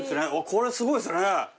これすごいっすね。